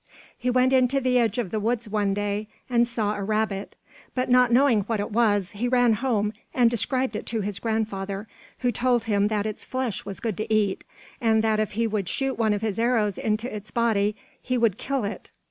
He went into the edge of the woods one day and saw a rabbit; but not knowing what it was, he ran home and described it to his grandfather, who told him that its flesh was good to eat, and that if he would shoot one of his arrows into its body he would kill it.